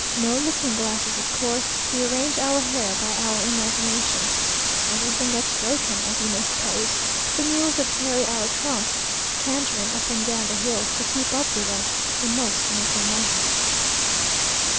No looking glasses of course we arrange our hair by our imagination. Everything gets broken, as you may suppose; the mules that carry our trunks cantering up and down the hills to keep up with us, in most unequal measure.